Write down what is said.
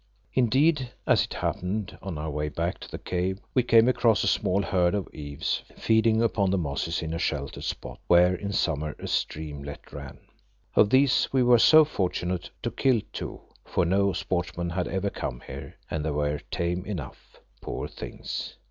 Indeed, as it happened, on our way back to the cave we came across a small herd of ewes feeding upon the mosses in a sheltered spot where in summer a streamlet ran. Of these we were so fortunate as to kill two, for no sportsman had ever come here, and they were tame enough, poor things.